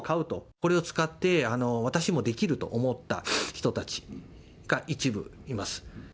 これを使って私もできると思った人たちが一部います。